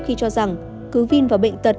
khi cho rằng cứ vin vào bệnh tật